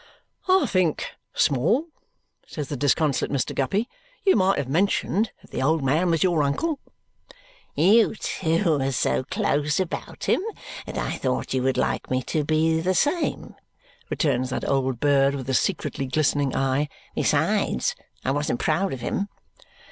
"I think, Small," says the disconsolate Mr. Guppy, "you might have mentioned that the old man was your uncle." "You two were so close about him that I thought you would like me to be the same," returns that old bird with a secretly glistening eye. "Besides, I wasn't proud of him."